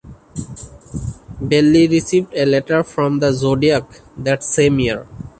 Belli received a letter from the The Zodiac that same year.